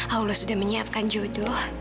allah sudah menyiapkan jodoh